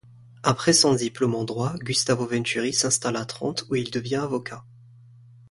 Après son diplôme en droit, Gustavo Venturi s’installe à Trente où il devient avocat.